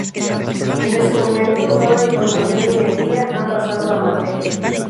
En ese momento toda la información y energía han pasado a materia.